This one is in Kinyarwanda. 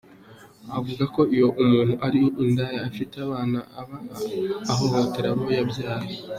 Avuga ko iyo umuntu ari indaya afite abana aba ahohotera abo yabyaye.